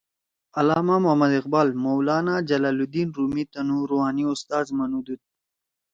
علامہ محمد اقبال مولانا جلال الدین رومی تنُو روحانی اُستاذ منُودُود